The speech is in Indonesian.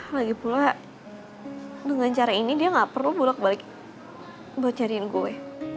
lagipula dengan cara ini dia gak perlu bolak balik buat cariin gue